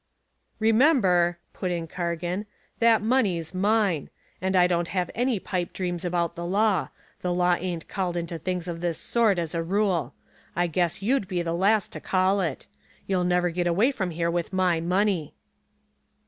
"Remember," put in Cargan, "that money's mine. And don't have any pipe dreams about the law the law ain't called into things of this sort as a rule. I guess you'd be the last to call it. You'll never get away from here with my money."